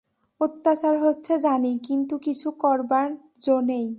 অত্যাচার হচ্ছে জানি, কিন্তু কিছু করবার জো নেই।